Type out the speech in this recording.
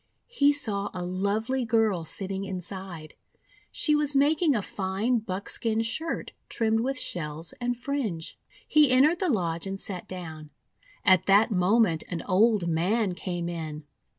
He saw a lovely girl sitting inside. She was making a fine buckskin shirt trimmed with shells and fringe. He entered the lodge and sat down. At that moment an old man came in.